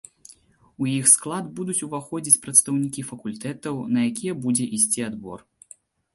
У іх склад будуць уваходзіць прадстаўнікі факультэтаў, на якія будзе ісці адбор.